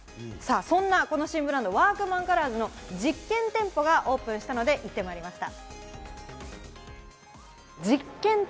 そんなこの新ブランド、ワークマンカラーズの実験店舗がオープンしたので行ってまいりました。